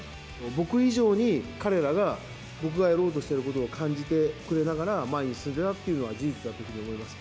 僕以上に、彼らが、僕がやろうしていることを感じてくれながら、前に進んだなというのは事実だというふうに思います。